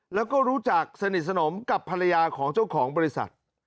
แล้วก็รู้จักสนิทสนมกับภรรยาของเจ้าของบริษัท